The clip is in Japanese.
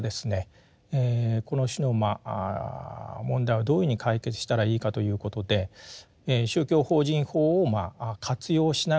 この種のまあ問題をどういうふうに解決したらいいかということで宗教法人法を活用しながらですね